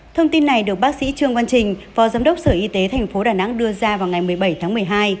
thông tin này được bác sĩ trương văn trình phó giám đốc sở y tế tp đà nẵng đưa ra vào ngày một mươi bảy tháng một mươi hai